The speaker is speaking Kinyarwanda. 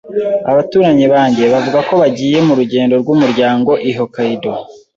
Abaturanyi banjye bavuga ko bagiye mu rugendo rwumuryango i Hokkaido.